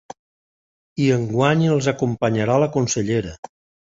I enguany els acompanyarà la consellera.